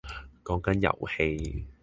講緊遊戲